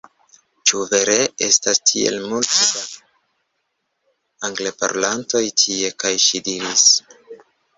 "Ĉu vere estas tiel multe da Angleparolantoj tie?" kaj ŝi diris: